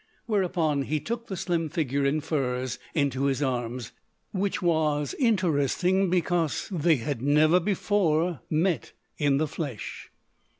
Whereupon he took the slim figure in furs into his arms, which was interesting because they had never before met in the flesh.